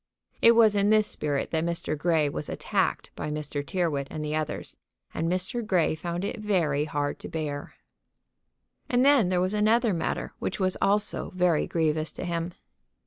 It was in this spirit that Mr. Grey was attacked by Mr. Tyrrwhit and the others; and Mr. Grey found it very hard to bear. And then there was another matter which was also very grievous to him.